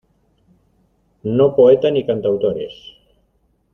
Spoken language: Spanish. no poeta ni cantautores.